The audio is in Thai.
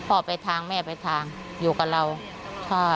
พ่อไปทางแม่ไปทางอยู่กับเราค่ะ